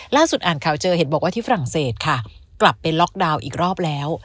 อ่านข่าวเจอเห็นบอกว่าที่ฝรั่งเศสค่ะกลับไปล็อกดาวน์อีกรอบแล้ว